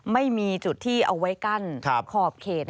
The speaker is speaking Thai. ไม่มีจุดที่เอาไว้กั้นขอบเขต